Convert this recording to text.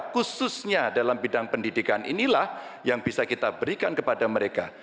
khususnya dalam bidang pendidikan inilah yang bisa kita berikan kepada mereka